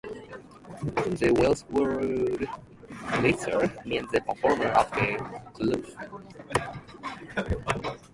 The Welsh word "crythor" means a performer on the crwth.